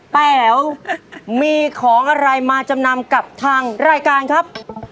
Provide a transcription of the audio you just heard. แป๋วมีของอะไรมาจำนำกับทางรายการครับ